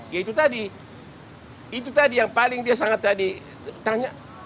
ya itu tadi itu tadi yang paling dia sangat tadi tanya